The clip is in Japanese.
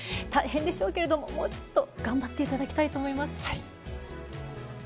大変でしょうがもうちょっと頑張っていただきたいと思います。